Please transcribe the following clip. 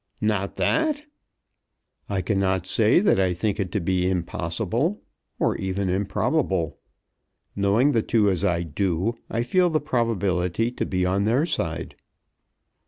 "Not that?" "I cannot say that I think it to be impossible, or even improbable. Knowing the two, as I do, I feel the probability to be on their side."